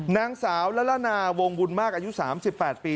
นางสาวละละนาวงบุญมากอายุ๓๘ปี